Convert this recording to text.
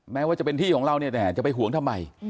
แม้ว่าจะเป็นที่ของเราเนี่ยแต่จะไปหวงทำไม